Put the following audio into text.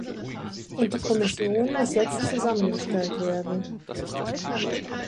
Und die Kommission muss jetzt zusammengestellt werden.